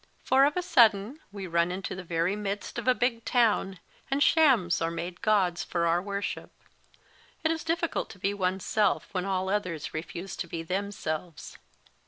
For, of a sudden, we run into the very midst of a big town, and shams are made gods for our wor ship. It is difficult to be oneself when all others refuse to be themselves.